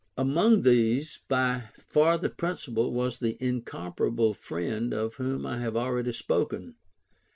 Among these, by far the principal was the incomparable friend of whom I have already spoken.